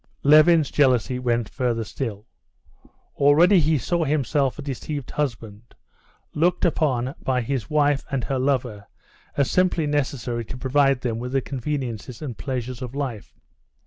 Levin's jealousy went further still. Already he saw himself a deceived husband, looked upon by his wife and her lover as simply necessary to provide them with the conveniences and pleasures of life....